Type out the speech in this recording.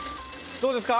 どうですか？